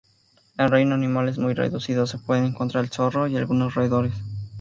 El reino animal es muy reducido, se pueden encontrar el zorro y algunos roedores.